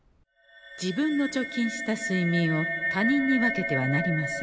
自分の貯金したすいみんを他人に分けてはなりません。